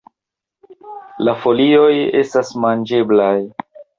La folioj estas manĝeblaj.